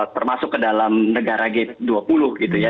termasuk ke dalam negara g dua puluh gitu ya